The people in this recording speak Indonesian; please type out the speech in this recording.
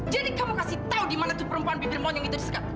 jadi kamu kasih tahu di mana tuh perempuan bibir monyong itu disegat